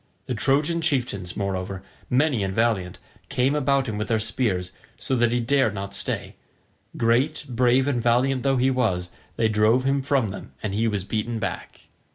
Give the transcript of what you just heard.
The Trojan chieftains, moreover, many and valiant, came about him with their spears, so that he dared not stay; great, brave and valiant though he was, they drove him from them and he was beaten back.